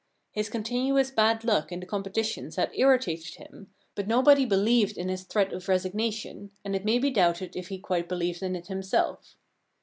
His continuous bad luck in the competitions had irritated him, but nobody believed in his threat of resignation, and it may be doubted if he quite believed in it himself.